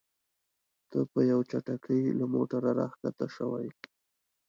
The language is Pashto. ته په یوې چټکۍ له موټره راښکته شوې.